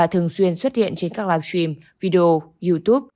thường xuyên xuất hiện trên các live stream video youtube